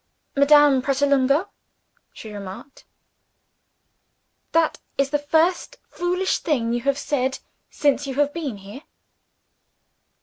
"Madame Pratolungo," she remarked, "that is the first foolish thing you have said, since you have been here."